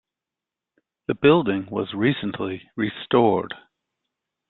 The building was recently restored.